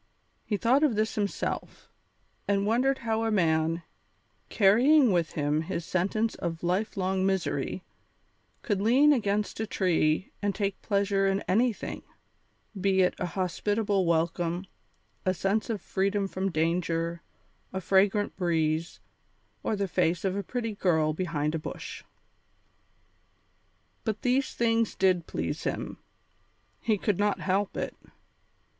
He thought of this himself, and wondered how a man, carrying with him his sentence of lifelong misery, could lean against a tree and take pleasure in anything, be it a hospitable welcome, a sense of freedom from danger, a fragrant breeze, or the face of a pretty girl behind a bush. But these things did please him; he could not help it.